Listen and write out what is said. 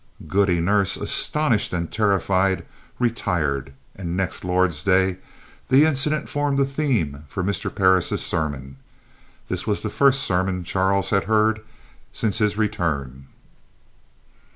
Goody Nurse, astonished and terrified, retired, and next Lord's day the incident formed a theme for Mr. Parris' sermon. This was the first sermon Charles had heard since his return.